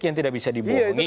yang tidak bisa dibungkir